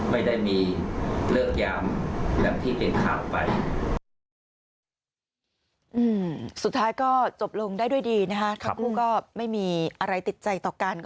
ไม่ได้มีเลือกยามหลักที่เป็นข่าวไป